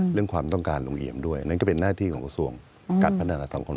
เรื่องความต้องการลุงเอี่ยมด้วยนั่นก็เป็นหน้าที่ของกระทรวงการพัฒนาสังคม